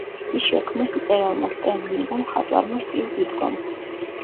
ის შექმნეს მწერალმა სტენ ლიმ და მხატვარმა სტივ დიტკომ.